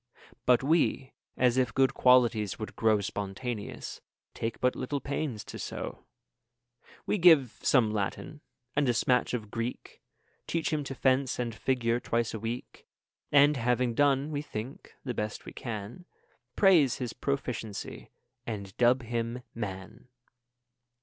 10 But we, as if good qualities would grow Spontaneous, take but little pains to sow; We give some Latin, and a smatch of Greek; Teach him to fence and figure twice a week; And, having done, we think, the best we can, 15 Praise his proficiency, and dub him man.